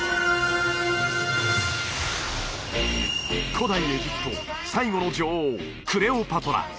古代エジプト最後の女王クレオパトラ